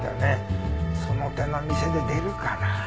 その手の店で出るかな？